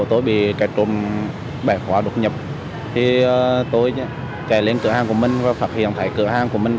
trộm bẻ khóa đột nhập thì tôi kể lên cửa hàng của mình và phát hiện thấy cửa hàng của mình